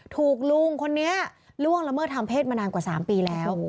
ถูกลุงคนนี้ล่วงละเมิดทางเพศมานานกว่า๓ปีแล้ว